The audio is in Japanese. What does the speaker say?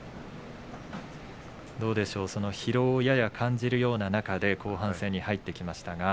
どうでしょう疲労をやや感じるような中で後半戦に入っていきます。